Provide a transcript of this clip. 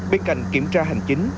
bên cạnh kiểm tra hành chính